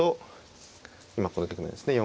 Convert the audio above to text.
今この局面ですね。